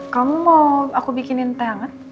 kamu mau aku bikinin teh hangat